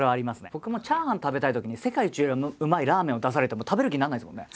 僕もチャーハン食べたいときに世界一うまいラーメンを出されても食べる気にならないですもんね。